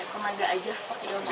kemada aja pakai rambut